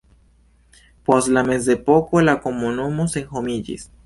Post la mezepoko la komunumo senhomiĝis.